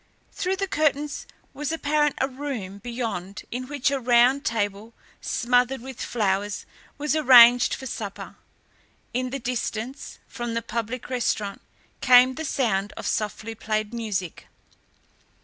Through the curtains was apparent a room beyond, in which a round table, smothered with flowers, was arranged for supper; in the distance, from the public restaurant, came the sound of softly played music.